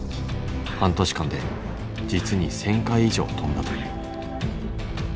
半年間で実に１，０００回以上跳んだという。